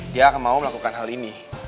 dia akan mau melakukan hal ini